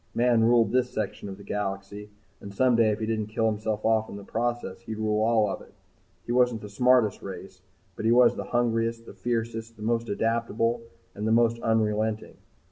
Man ruled this section of the galaxy, and someday if he didn't kill himself off in the process he'd rule all of it. He wasn't the smartest race but he was the hungriest, the fiercest, the most adaptable, and the most unrelenting.